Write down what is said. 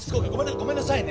ごめんなさいね。